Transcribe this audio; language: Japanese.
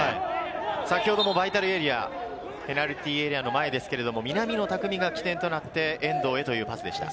先ほどのバイタルエリア、ペナルティーエリアの前ですが、南野拓実が基点となって遠藤へというパスでした。